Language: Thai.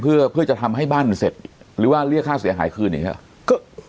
เพื่อจะทำให้บ้านมันเสร็จหรือว่าเรียกค่าเสียหายคืนอย่างนี้หรอ